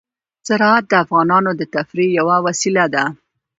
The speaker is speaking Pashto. زراعت د افغانانو د تفریح یوه وسیله ده.